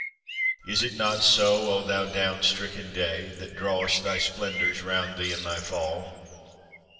Is it not so, O thou down stricken Day, That draw'st thy splendours round thee in thy fall?